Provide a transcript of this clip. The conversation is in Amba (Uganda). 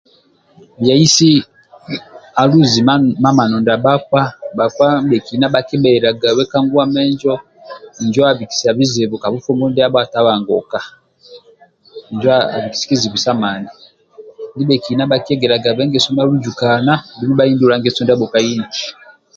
Bhiyaisi aluji mamano ndyabhapka bhapka ndi bhekina bhakibheliyagabhe kanguwa menjo injo abhikisa bhizibu kabhufumbu ndyabho atabhangunka injo ali kizibu samani ndibhekina bhakiyegeryagabhe ngeso malujukana dhumbi bhahindula ngeso ndyabho kahinji